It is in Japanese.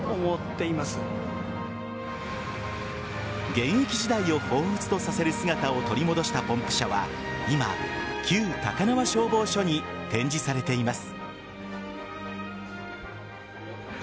現役時代をほうふつとさせる姿を取り戻したポンプ車は今、旧高輪消防署に展示されています。